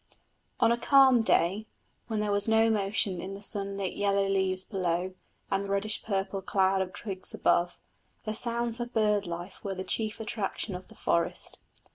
On a calm day, when there was no motion in the sunlit yellow leaves below and the reddish purple cloud of twigs above, the sounds of bird life were the chief attraction of the forest.